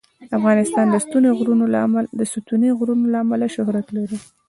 افغانستان د ستوني غرونه له امله شهرت لري.